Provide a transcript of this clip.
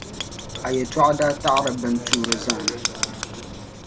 A yɛtɔɣa daa taɣiri bɛn tuuri zaana.